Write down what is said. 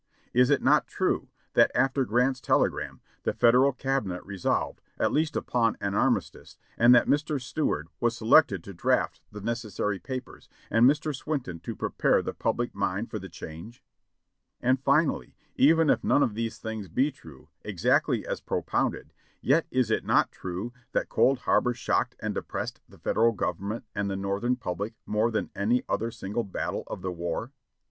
Is it not true that, after Grant's telegram, the Federal Cabinet resolved at least upon an armistice, and that Mr. Seward was selected to draft the necessary papers, and Mr. Swinton to prepare the public mind for the change? And finally, even if none of these things be true, exactly as propounded — yet is it not true, that Cold Harbor shocked and depressed the Federal Government and the Northern public more than any other single battle of the war?"